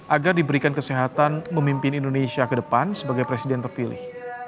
agar diberikan kesehatan memimpin indonesia ke depan sebagai presiden terpilih